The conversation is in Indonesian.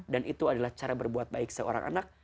dan itu adalah cara berbuat baik seorang anak